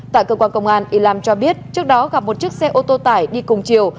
tại cơ quan công an y lam cho biết trước đó gặp một chiếc xe ô tô tải đi cùng chiều